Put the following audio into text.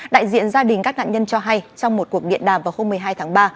đại diện gia đình các nạn nhân cho hay trong một cuộc điện đàm vào hôm một mươi hai tháng ba